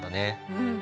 うん。